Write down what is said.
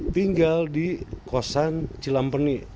tinggal di kosan cilampeni